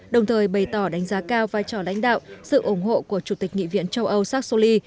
đồng thời bày tỏ đánh giá cao vai trò lãnh đạo sự ủng hộ của chủ tịch nghị viện châu âu sark soli